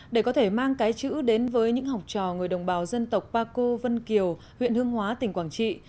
để có thể mang cái chữ đến với những học trò người đồng bào dân tộc paco vân kiều huyện hương hóa tỉnh quảng trị